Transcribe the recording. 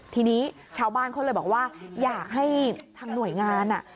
ทีนี้ชาวบ้านเขาเลยบอกว่าอยากให้ทางหน่วยงาน